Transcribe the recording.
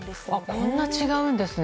こんな違うんですね。